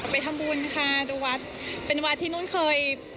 ไปทำบุญค่ะดูวัดเป็นวัดที่นู่นเคย